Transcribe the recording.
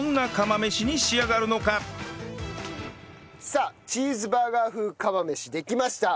さあチーズバーガー風釜飯できました。